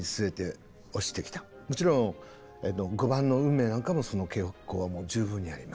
もちろん５番の「運命」なんかもその傾向はもう十分にあります。